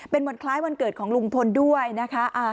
เป็นวันคล้ายวันเกิดของลุงพลด้วยนะคะ